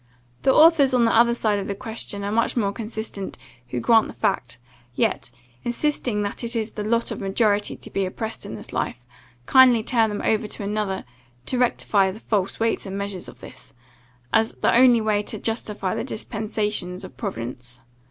The authors on the other side of the question are much more consistent, who grant the fact; yet, insisting that it is the lot of the majority to be oppressed in this life, kindly turn them over to another, to rectify the false weights and measures of this, as the only way to justify the dispensations of Providence.